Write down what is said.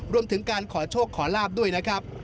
รวมถึงการขอโชคขอลาบด้วยนะครับ